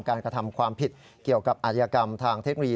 กระทำความผิดเกี่ยวกับอาชญากรรมทางเทคโนโลยี